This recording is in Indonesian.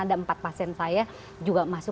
ada empat pasien saya juga masuk